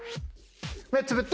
目つぶって。